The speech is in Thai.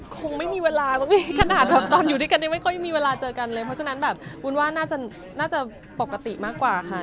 คงไม่มีเวลาตอนอยู่ด้วยกันยังไม่ค่อยมีเวลาเจอกันเลยเพราะฉะนั้นว่าน่าจะปกติมากกว่าค่ะ